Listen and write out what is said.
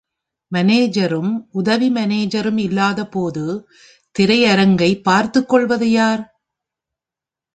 மானேஜரும், உதவி மானேஜரும் இல்லாதபோது, திரை அரங்கை பார்த்துக் கொள்வது யார்?